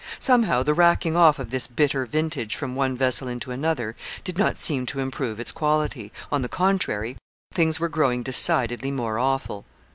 Somehow, the racking off of this bitter vintage from one vessel into another did not seem to improve its quality. On the contrary, things were growing decidedly more awful.